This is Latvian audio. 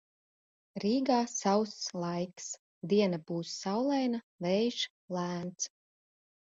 Rīgā sauss laiks, diena būs saulaina, vējš lēns.